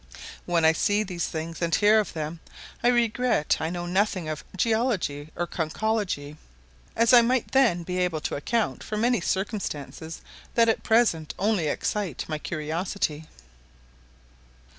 When I see these things, and hear of them, I regret I know nothing of geology or conchology; as I might then be able to account for many circumstances that at present only excite my curiosity.